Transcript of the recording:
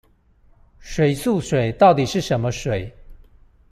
水素水到底是什麼水